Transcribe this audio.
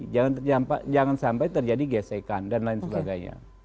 jangan sampai terjadi gesekan dan lain sebagainya